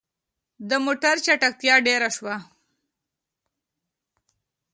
د موټر چټکتيا ډيره شوه.